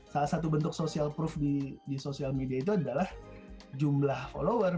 salah satu bentuk social prove di sosial media itu adalah jumlah follower